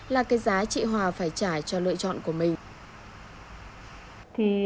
là cái giá chị hòa phải trả cho lựa chọn của mình